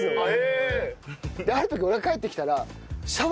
ある時俺が帰ってきたら。